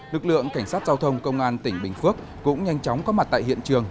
lực lượng cảnh sát giao thông công an tỉnh bình phước cũng nhanh chóng có mặt tại hiện trường